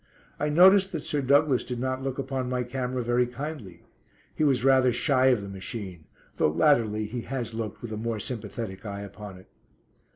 I noticed that Sir Douglas did not look upon my camera very kindly. He was rather shy of the machine, though latterly he has looked with a more sympathetic eye upon it.